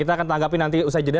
kita akan tanggapi nanti usai jeda